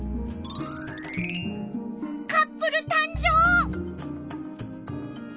カップルたん生！